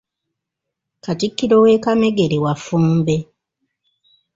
Katikkiro we Kamegere wa Ffumbe.